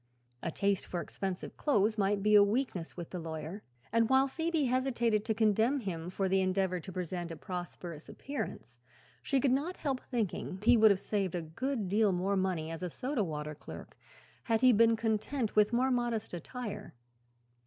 A taste for expensive clothes might be a weakness with the lawyer, and while Phoebe hesitated to condemn him for the endeavor to present a prosperous appearance she could not help thinking he would have saved a good deal more money as soda water clerk had he been content with more modest attire.